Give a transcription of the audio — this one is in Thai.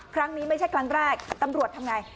ครั้งนี้ไม่ใช่ครั้งแรกตำรวจทำไง